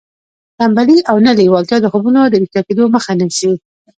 تنبلي او نه لېوالتیا د خوبونو د رښتیا کېدو مخه نیسي